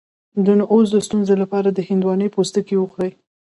د نعوظ د ستونزې لپاره د هندواڼې پوستکی وخورئ